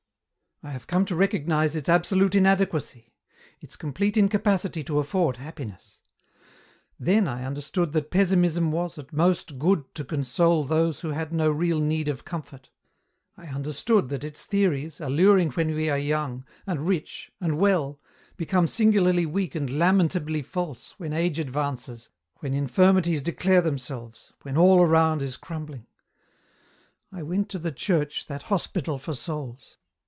I have come to recognize its absolute inadequacy, its complete incapacity to afford happiness. Then I understood that Pessimism was, at most, good to console those who had no real need of comfort ; I understood that its theories, alluring when we are young, and rich, and well, become singularly weak and lamentably false, when age advances, when in firmities declare themselves, when all around is crumbling, *' I went to the church, that hospital for souls.